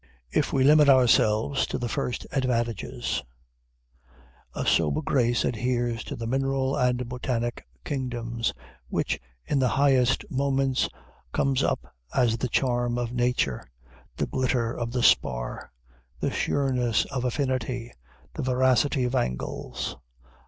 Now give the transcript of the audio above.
If we limit ourselves to the first advantages: a sober grace adheres to the mineral and botanic kingdoms, which in the highest moments comes up as the charm of nature, the glitter of the spar, the sureness of affinity, the veracity of angles.